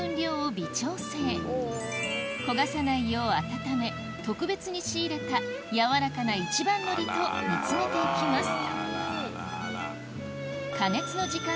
タレは特別に仕入れたやわらかな一番のりと煮詰めていきます